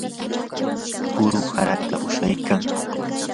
kuru harata ushaykan.